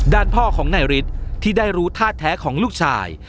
ด้านพ่อของนายฤทธิ์ที่ได้รู้ท่าแท้ของลูกชาย